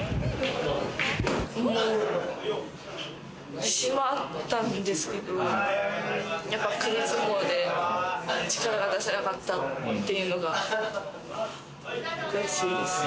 自信はあったんですけど、やっぱ首相撲で力が出せなかったっていうのが悔しいです。